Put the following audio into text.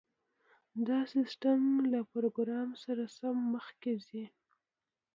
دا سیستم له پروګرام سره سم مخکې ځي